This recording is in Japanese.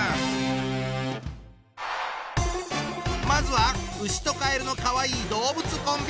まずはうしとカエルのかわいい動物コンビ！